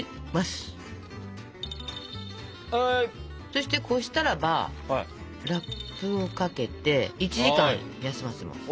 そしてこしたらばラップをかけて１時間休ませます。